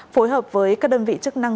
phối hợp với các đơn vị chức năng